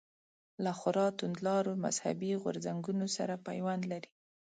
له خورا توندلارو مذهبي غورځنګونو سره پیوند لري.